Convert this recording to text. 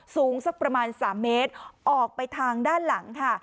สูงสักประมาณ๓เมตรออกไปทางด้านหลังค่ะ